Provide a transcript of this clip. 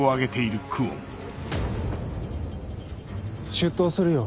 出頭するよ